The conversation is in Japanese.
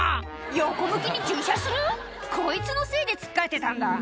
横向きに駐車する⁉」「こいつのせいでつっかえてたんだ」